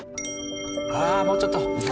ああもうちょっと！